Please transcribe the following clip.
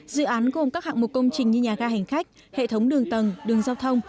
dự án gồm các hạng mục công trình như nhà ga hành khách hệ thống đường tầng đường giao thông